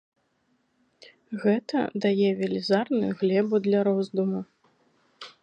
Гэта дае велізарную глебу для роздуму.